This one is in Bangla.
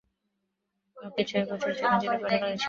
আমাকে ছয় বছরের জন্য জেলে পাঠানো হয়েছিল।